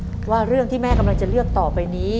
แบบช่วยดูเสลจคือทำทุกอย่างที่ให้น้องอยู่กับแม่ได้นานที่สุด